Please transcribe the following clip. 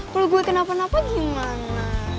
kalau gue kenapa napa gimana